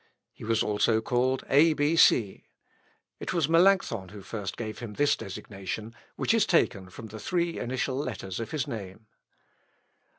He was also called A. B. C. It was Melancthon who first gave him this designation, which is taken from the three initial letters of his name.